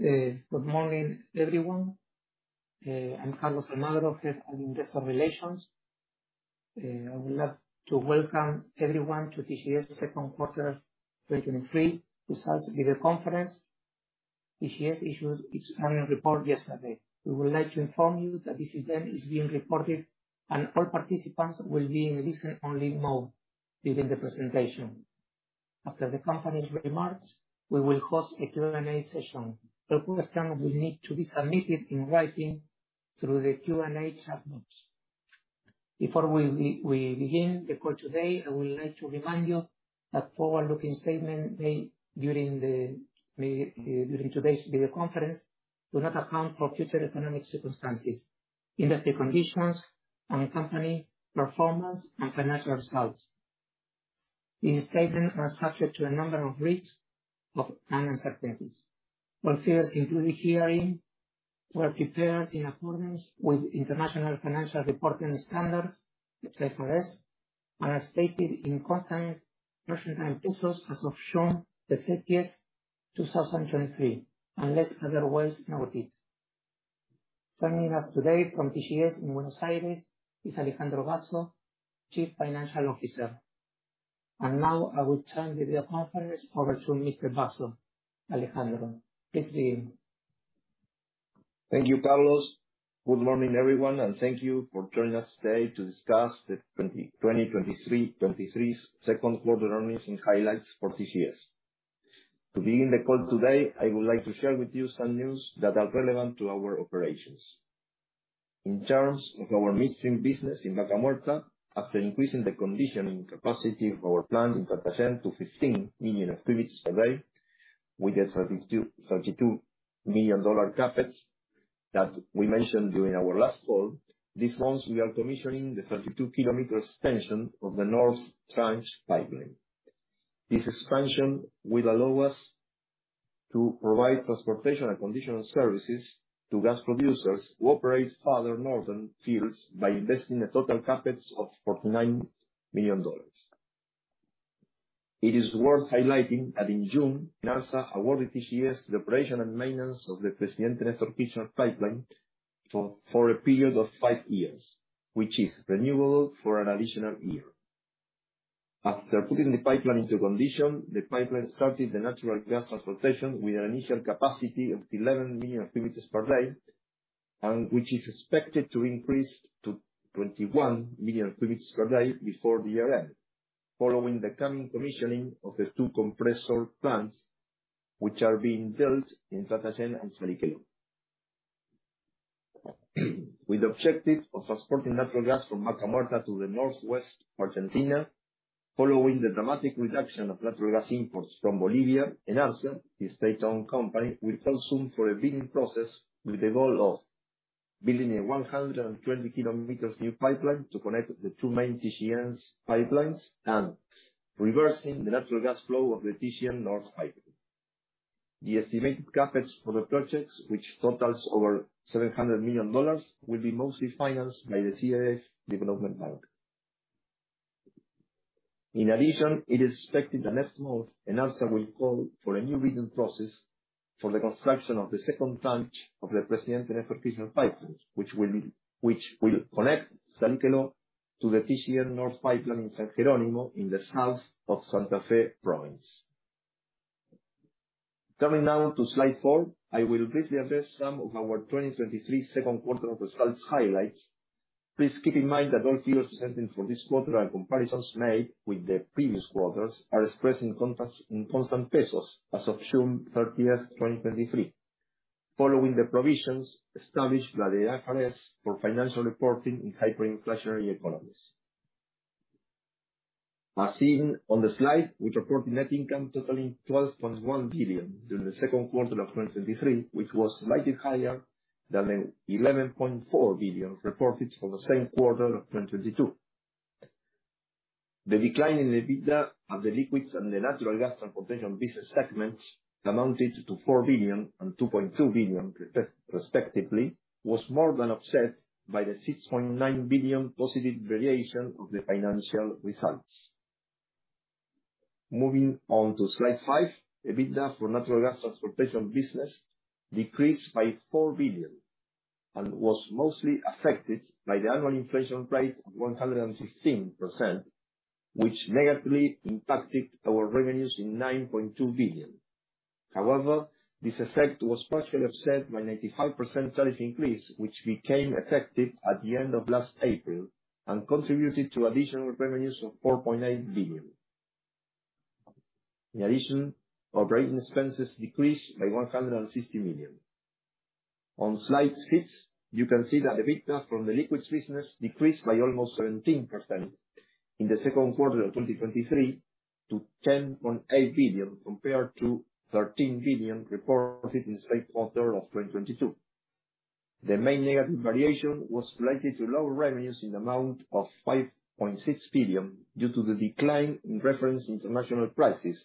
Well, good morning, everyone. I'm Carlos Almagro, Head of Investor Relations. I would like to welcome everyone to TGS Q2 2023 results video conference. TGS issued its earnings report yesterday. We would like to inform you that this event is being recorded, and all participants will be in listen only mode during the presentation. After the company's remarks, we will host a Q&A session. All questions will need to be submitted in writing through the Q&A chat box. Before we begin the call today, I would like to remind you that forward-looking statement made during the during today's video conference, do not account for future economic circumstances, industry conditions, and company performance and financial results. These statements are subject to a number of risks of, and uncertainties. All figures included herein were prepared in accordance with International Financial Reporting Standards, IFRS, and are stated in constant Argentine pesos as of June 30th, 2023, unless otherwise noted. Joining us today from TGS in Buenos Aires, is Alejandro Basso, Chief Financial Officer. Now I will turn the video conference over to Mr. Basso. Alejandro, please begin. Thank you, Carlos. Good morning, everyone, thank you for joining us today to discuss the 2023 2Q earnings and highlights for TGS. To begin the call today, I would like to share with you some news that are relevant to our operations. In terms of our midstream business in Vaca Muerta, after increasing the conditioning capacity of our plant in Tratayén to 15 million cubic per day, with a $32 million CapEx that we mentioned during our last call. This month, we are commissioning the 32 kilometer extension of the North Branch Pipeline. This expansion will allow us to provide transportation and conditioning services to gas producers who operate farther northern fields, by investing a total CapEx of $49 million. It is worth highlighting that in June, ENARSA awarded TGS the operation and maintenance of the Presidente Néstor Kirchner pipeline for a period of five years, which is renewable for an additional one year. After putting the pipeline into condition, the pipeline started the natural gas transportation with an initial capacity of 11 million cubic per day. Which is expected to increase to 21 million cubic per day before the year end, following the coming commissioning of the two compressor plants, which are being built in Tratayén and Salliqueló. With the objective of transporting natural gas from Vaca Muerta to the northwest Argentina, following the dramatic reduction of natural gas imports from Bolivia, ENARSA, the state-owned company, will call soon for a bidding process, with the goal of building a 120 kilometers new pipeline to connect the two main TGN's pipelines, and reversing the natural gas flow of the TGN North Pipeline. The estimated CapEx for the projects, which totals over $700 million, will be mostly financed by the CAF Development Bank. In addition, it is expected that next month, ENARSA will call for a new bidding process for the construction of the second tranche of the Presidente Néstor Kirchner pipelines, which will connect Salliqueló to the TGN North Pipeline in San Jerónimo, in the south of Santa Fe province. Turning now to slide four, I will briefly address some of our 2023 second quarter results highlights. Please keep in mind that all figures presented for this quarter, and comparisons made with the previous quarters, are expressed in constant pesos, as of June 30, 2023. Following the provisions established by the IFRS for financial reporting in hyperinflationary economies. As seen on the slide, we reported net income totaling $12.1 billion during the Q2 of 2023, which was slightly higher than the $11.4 billion reported for the same quarter of 2022. The decline in the EBITDA of the liquids and the natural gas transportation business segments amounted to $4 billion and $2.2 billion, respectively, was more than offset by the $6.9 billion positive variation of the financial results. Moving on to slide five. EBITDA for natural gas transportation business decreased by 4 billion, was mostly affected by the annual inflation rate of 115%, which negatively impacted our revenues in 9.2 billion. However, this effect was partially offset by 95% tariff increase, which became effective at the end of last April, and contributed to additional revenues of 4.8 billion. In addition, operating expenses decreased by 160 million. On slide six, you can see that EBITDA from the liquids business decreased by almost 17% in the Q2 of 2023, to 10.8 billion, compared to 13 billion reported in same quarter of 2022. The main negative variation was related to lower revenues in amount of $5.6 billion, due to the decline in reference international prices,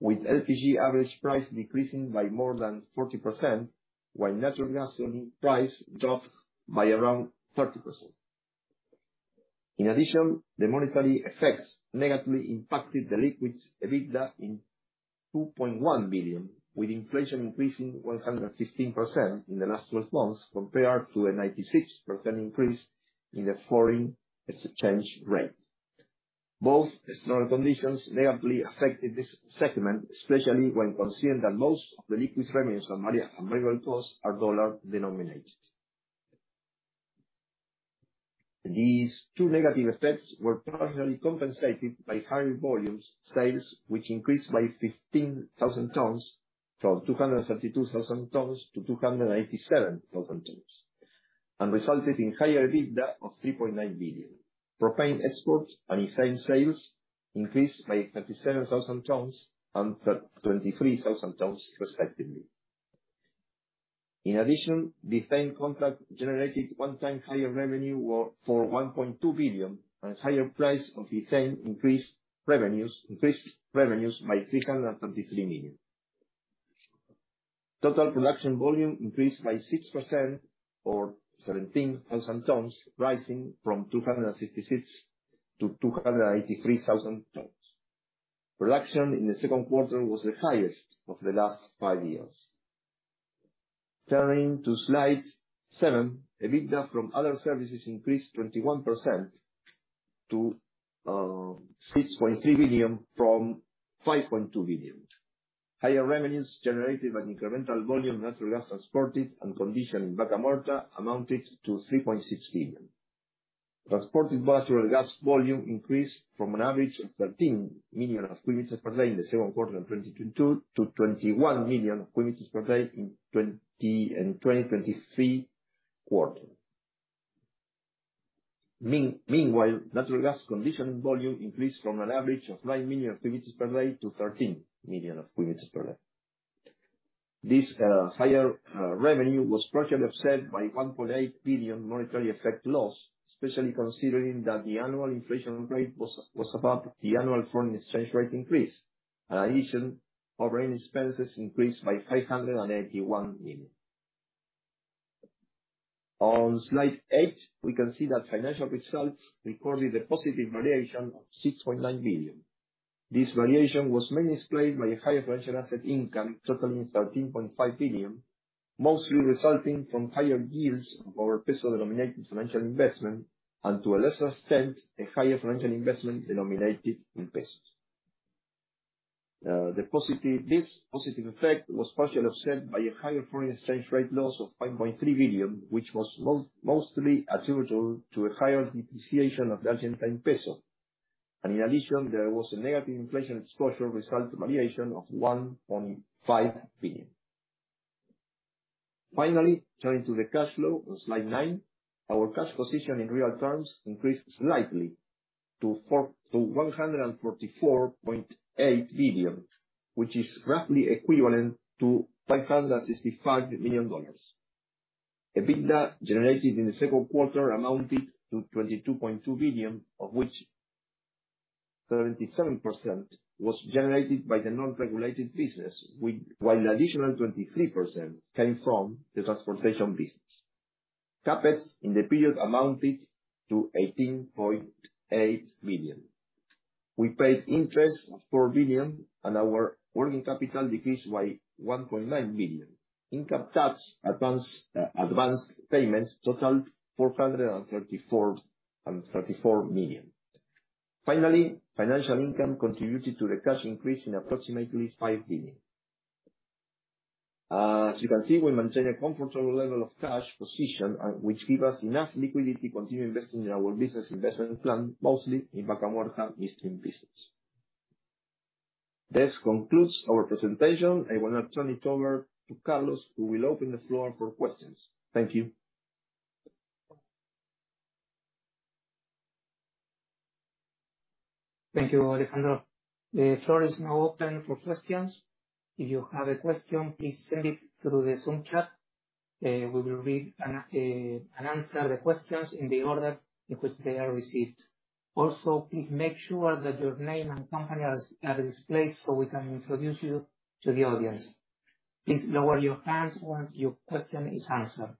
with LPG average price decreasing by more than 40%, while natural gas oil price dropped by around 30%. In addition, the monetary effects negatively impacted the liquids EBITDA in $2.1 billion, with inflation increasing 115% in the last twelve months, compared to a 96% increase in the foreign exchange rate. Both external conditions negatively affected this segment, especially when considering that most of the liquids revenues from Maria and Mineral costs are dollar denominated. These two negative effects were partially compensated by higher volumes sales, which increased by 15,000 tons, from 272,000 tons to 287,000 tons, and resulted in higher EBITDA of $3.9 billion. Propane exports and ethane sales increased by 37,000 tons and 23,000 tons, respectively. In addition, the ethane contract generated one time higher revenue for 1.2 billion, and a higher price of ethane increased revenues, increased revenues by 333 million. Total production volume increased by 6% or 17,000 tons, rising from 266 to 283,000 tons. Production in the Q2 was the highest of the last five years. Turning to slide seven, EBITDA from other services increased 21% to 6.3 billion from 5.2 billion. Higher revenues generated an incremental volume natural gas transported and conditioned in Vaca Muerta amounted to 3.6 billion. Transported natural gas volume increased from an average of 13 million cubic meters per day in the second quarter of 2022, to 21 million cubic meters per day in 2023 quarter. Meanwhile, natural gas conditioned volume increased from an average of 9 million cubic meters per day to 13 million cubic meters per day. This higher revenue was partially offset by 1.8 billion monetary effect loss, especially considering that the annual inflation rate was above the annual foreign exchange rate increase. In addition, operating expenses increased by 581 million. On slide eight, we can see that financial results recorded a positive variation of 6.9 billion. This variation was mainly explained by a higher financial asset income totaling 13.5 billion, mostly resulting from higher yields of our peso-denominated financial investment, and to a lesser extent, a higher financial investment denominated in Pesos. This positive effect was partially offset by a higher foreign exchange rate loss of 1.3 billion, which was mostly attributable to a higher depreciation of the Argentine peso. In addition, there was a negative inflation exposure result variation of 1.5 billion. Finally, turning to the cash flow on slide 9, our cash position in real terms increased slightly to 144.8 billion, which is roughly equivalent to $565 million. EBITDA generated in the Q2 amounted to 22.2 billion, of which 77% was generated by the non-regulated business, while an additional 23% came from the transportation business. CapEx in the period amounted to 18.8 billion. We paid interest of 4 billion, and our working capital decreased by 1.9 billion. Income tax advance, advance payments totaled 434 million. Finally, financial income contributed to the cash increase in approximately 5 billion. As you can see, we maintain a comfortable level of cash position, which give us enough liquidity to continue investing in our business investment plan, mostly in Vaca Muerta upstream business. This concludes our presentation. I will now turn it over to Carlos, who will open the floor for questions. Thank you. Thank you, Alejandro. The floor is now open for questions. If you have a question, please send it through the Zoom chat. We will read and answer the questions in the order in which they are received. Also, please make sure that your name and company are, are displayed so we can introduce you to the audience. Please lower your hands once your question is answered.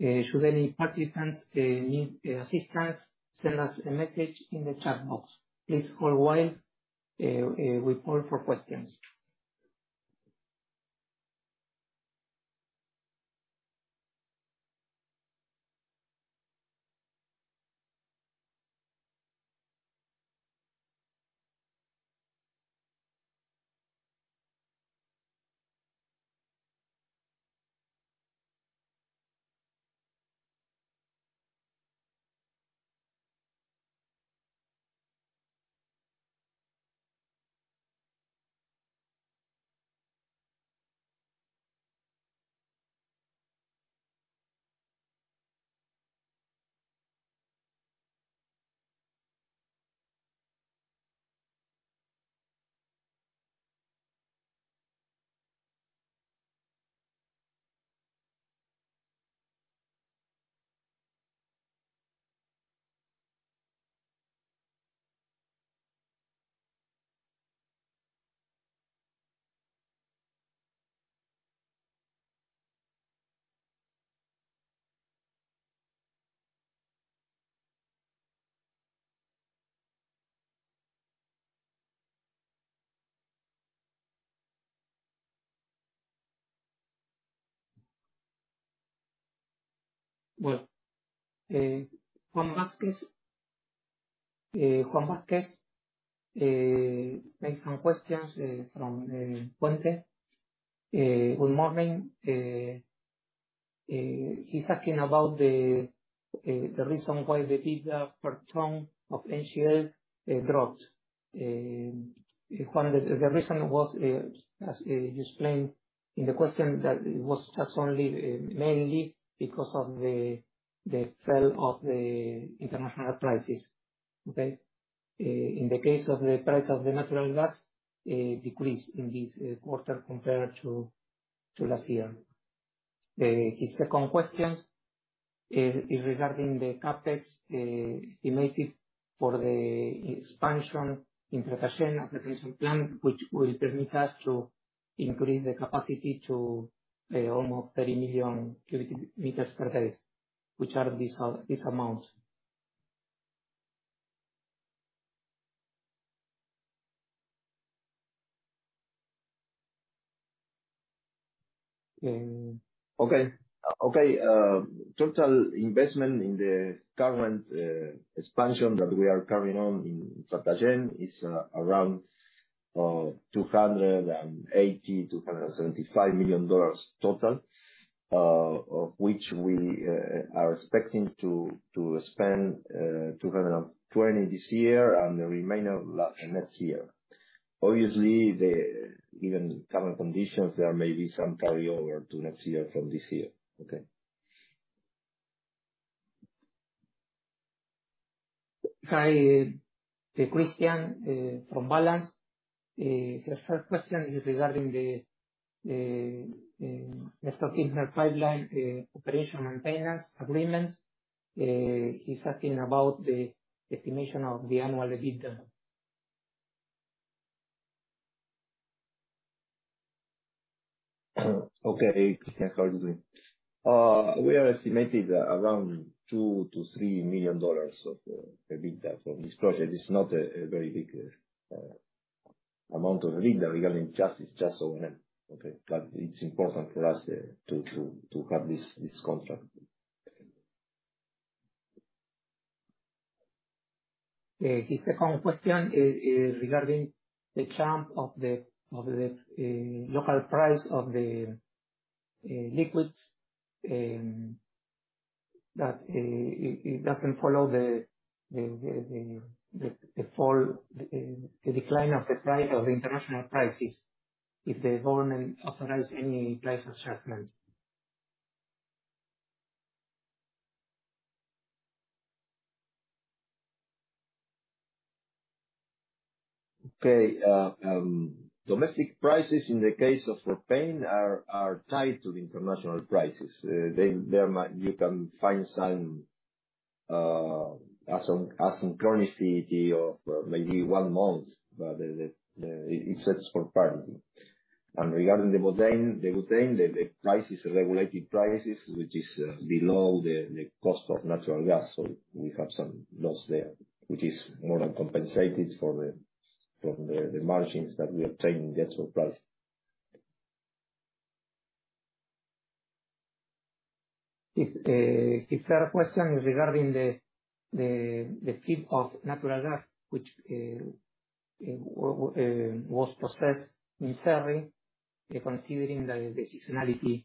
Should any participants need assistance, send us a message in the chat box. Please hold while we call for questions. Well, Juan Vazquez, Juan Vazquez made some questions from Puente. Good morning. He's asking about the reason why the EBITDA per ton of NGL dropped. He wondered if the reason was, as you explained in the question, that it was just only, mainly because of the, the fall of the international prices. Okay? In the case of the price of the natural gas, decreased in this quarter compared to last year. His second question is, is regarding the CapEx estimated for the expansion in Tratayén replacement plan, which will permit us to increase the capacity to almost 30 million cubic meters per day. Which are these are, these amounts? Okay. Okay, total investment in the current expansion that we are carrying on in Cartagena is around $280 million, $275 million total. Of which we are expecting to spend $220 this year, and the remainder next year. Obviously, given current conditions, there may be some carryover to next year from this year. Okay? Hi, Christian, from Balanz. The first question is regarding the Néstor Kirchner pipeline operation and maintenance agreements. He's asking about the estimation of the annual EBITDA. Okay, Christian, how are you doing? We are estimating around $2 million-$3 million of EBITDA from this project. It's not a, a very big amount of EBITDA, regarding just, it's just O&M, okay? But it's important for us to, to, to have this, this contract. His second question is regarding the jump of the local price of the liquids, that it doesn't follow the fall, the decline of the price of international prices, if the government authorize any price adjustments? Okay, domestic prices in the case of propane are tied to the international prices. You can find some asynchronicity of maybe one month, but it sets for parity. Regarding the butane, the price is regulated prices, which is below the cost of natural gas. We have some loss there, which is more than compensated for the from the margins that we are taking diesel price. If his third question is regarding the peak of natural gas, which was processed in Cerri, considering the seasonality,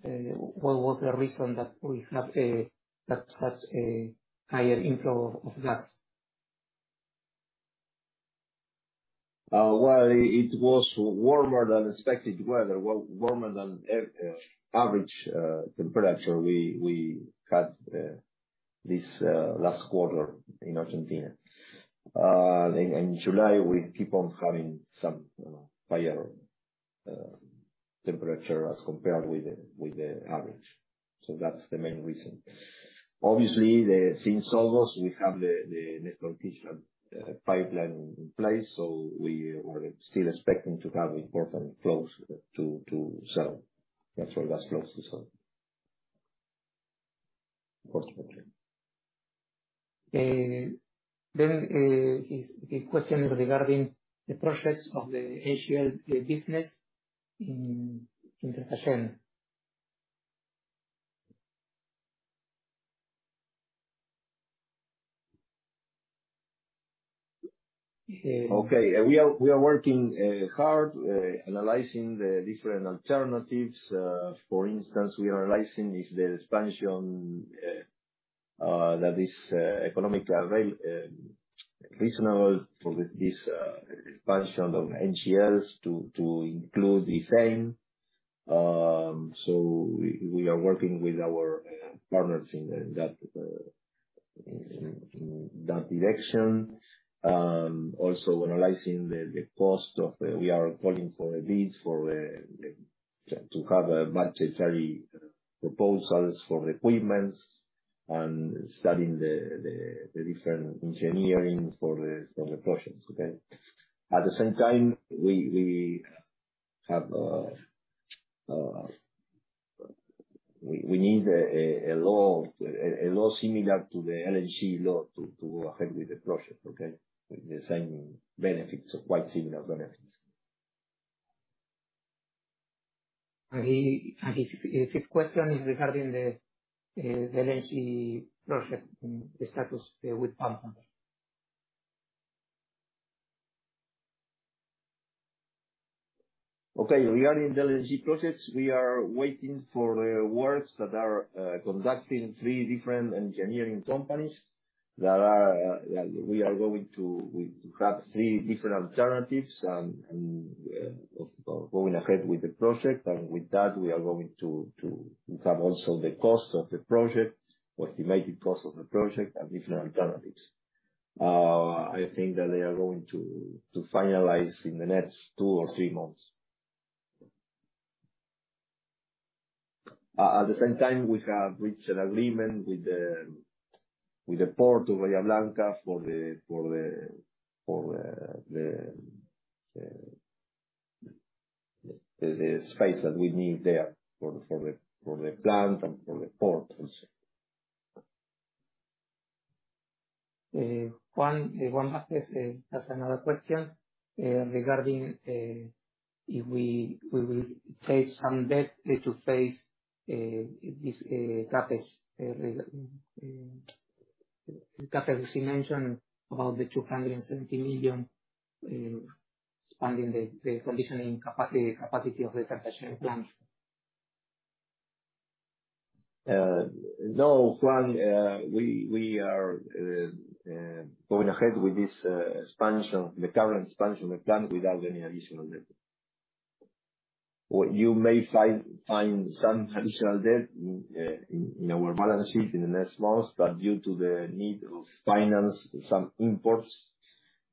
what was the reason that we have that such a higher inflow of gas? mer than expected weather, warmer than average temperature we had this last quarter in Argentina. In July, we keep on having some higher temperature as compared with the average. So that's the main reason. Obviously, since August, we have the Gasoducto Presidente Néstor Kirchner pipeline in place, so we are still expecting to have important flows to sell. That's why that's close to sell. His, his question regarding the process of the HGL, the business in, in Cartagena. Okay. We are, we are working hard analyzing the different alternatives. For instance, we are analyzing if the expansion that is economically avail reasonable for this expansion of HGLs to include ethane. We, we are working with our partners in that in that direction. Also analyzing the cost of. We are calling for a bid for to have a budgetary proposals for the equipments and studying the different engineering for the projects, okay? At the same time, we, we have, we, we need a law, a law similar to the LNG law to ahead with the project, okay? With the same benefits or quite similar benefits. He, and his, his question is regarding the LNG project and the status with Palm Land. Okay, we are in the LNG process. We are waiting for the awards that are conducting three different engineering companies, we have three different alternatives, and of going ahead with the project. With that, we are going to, to have also the cost of the project, or estimated cost of the project and different alternatives. I think that they are going to, to finalize in the next two or three months. At the same time, we have reached an agreement with the port of Bahía Blanca for the space that we need there for the plant and for the port also. Juan, Juan Matthews has another question regarding if we, we will take some debt to face this CapEx you mentioned about the $270 million, expanding the conditioning capacity, capacity of the transportation plant. No, Juan, we, we are going ahead with this expansion, the current expansion of the plant without any additional debt. What you may find, find some additional debt in, in our balance sheet in the next months, but due to the need of finance some imports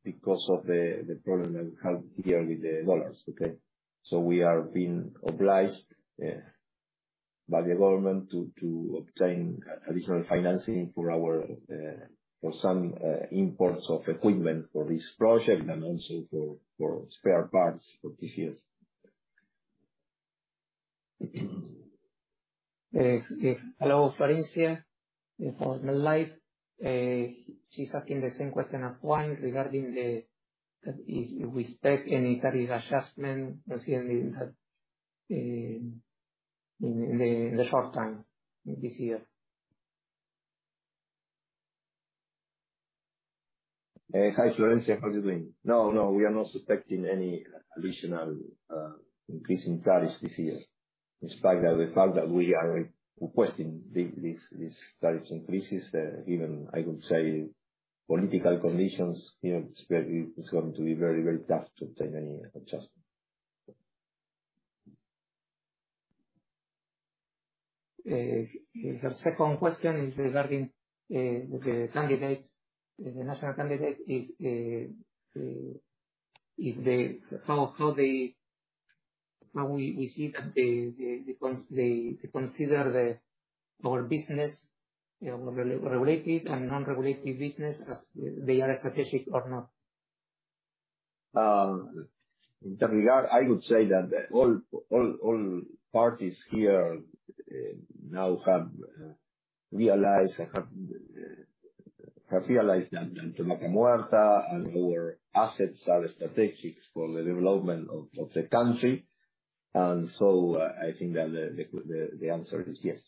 because of the problem that we have here with the dollars, okay? We are being obliged by the government to obtain additional financing for our, for some imports of equipment for this project, and also for spare parts for this year. Hello, Florencia, from Life. She's asking the same question as Juan regarding the if we expect any tariff adjustment this year in the short term, this year. Hi, Florencia, how are you doing? No, no, we are not expecting any additional increase in tariffs this year. Despite the fact that we are requesting these tariff increases, even I could say political conditions here, it's very, it's going to be very, very tough to obtain any adjustment. Her second question is regarding the candidates, the national candidates. Is how they, how we see that they consider the our business, you know, regulated and non-regulated business, as they are strategic or not? In that regard, I would say that all, all, all parties here, now have realized and have realized that Vaca Muerta and our assets are strategic for the development of the country. I, I think that the, the, the, the answer is yes.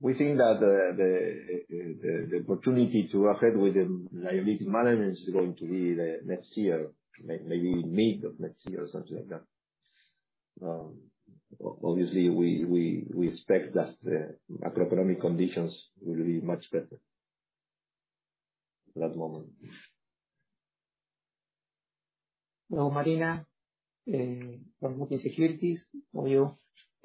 We think that the, the, the, the opportunity to work ahead with the liability management is going to be the next year, maybe mid of next year or something like that. Obviously, we, we, we expect that macroeconomic conditions will be much better at that moment. Hello, Marina, from Moody's Local for you.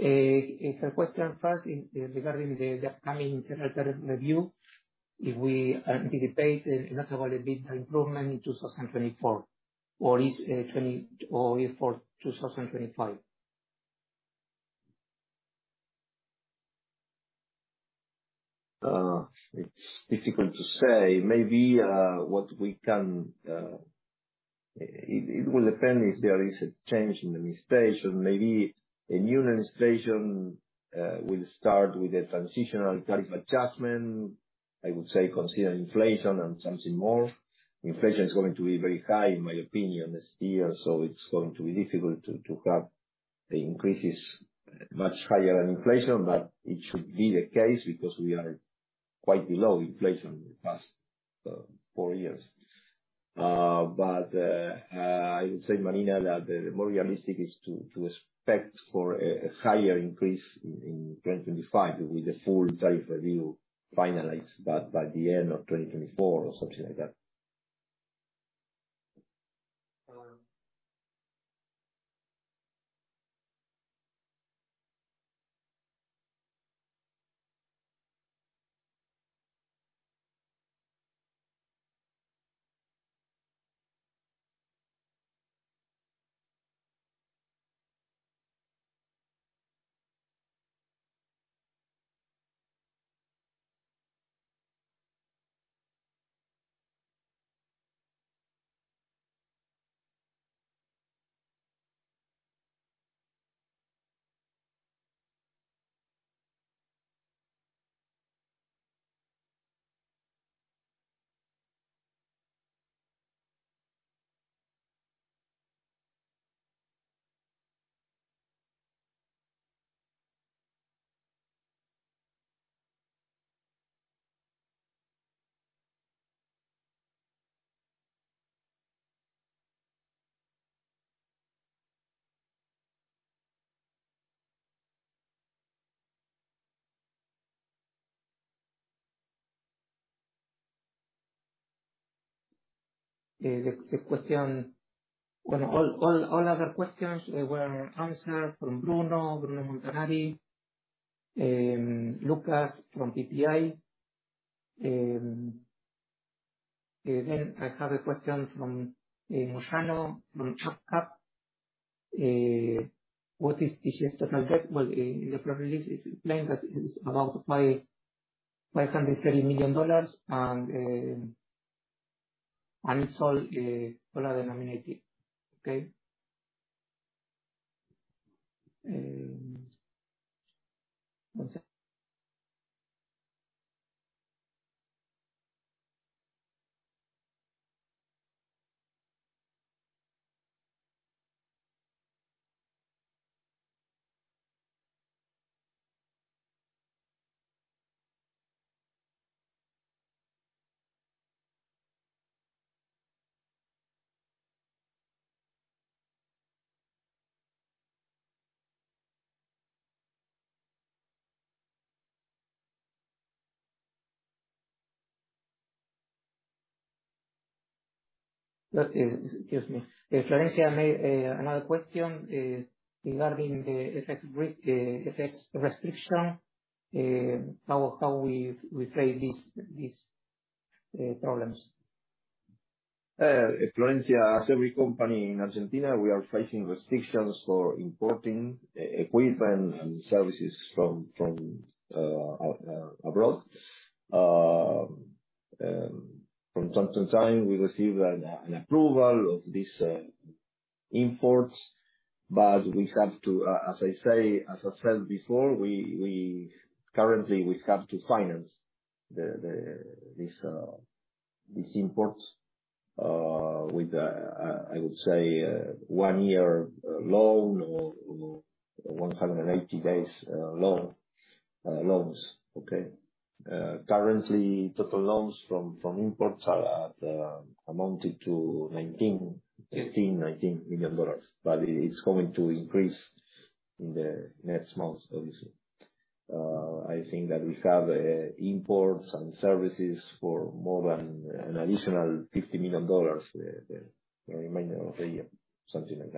It's a question first in, regarding the, the upcoming tariff review, if we anticipate a notably big improvement in 2024, or is, or if for 2025? It's difficult to say. It will depend if there is a change in administration. Maybe a new administration will start with a transitional tariff adjustment, I would say, consider inflation and something more. Inflation is going to be very high, in my opinion, this year, so it's going to be difficult to have the increases much higher than inflation. It should be the case, because we are quite below inflation in the past, four years. I would say, Marina, that the more realistic is to expect for a higher increase in 2025, with the full tariff review finalized by the end of 2024 or something like that. The question, well, all, all other questions were answered from Bruno Montanari, Lucas from PPI. Then I have a question from Musano from Jefferies Chap-Cap. What is inaudible? Well, in the press release, it's explained that it's about $530 million, and it's all dollar-denominated. Okay? Let me see. No, excuse me. Florencia made another question regarding the effects, restriction, how we play these problems. Florencia, as every company in Argentina, we are facing restrictions for importing equipment and services from, from abroad. From time to time, we receive an approval of these imports, but we have to, as I say, as I said before, we, we currently we have to finance the, the, this, these imports, with I would say, a one-year loan or 180 days loan, loans. Okay? Currently, total loans from, from imports are at amounted to $19, $18, $19 million, but it, it's going to increase in the next months, obviously. I think that we have imports and services for more than an additional $50 million, the, the remainder of the year, something like this.